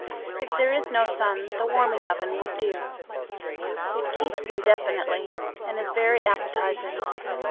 If there is no sun, the warming oven would do. It keeps indefinitely, and is very appetizing.